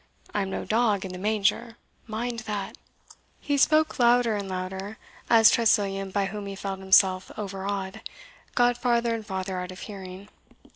I am no dog in the manger mind that." He spoke louder and louder, as Tressilian, by whom he felt himself overawed, got farther and farther out of hearing.